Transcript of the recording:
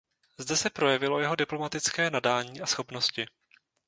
Zde se projevilo jeho diplomatické nadání a schopnosti.